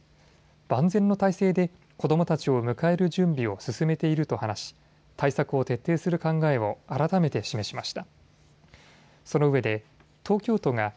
万全の体制で子どもたちを迎える準備を進めていると話し対策を徹底する考えを改めて示しました。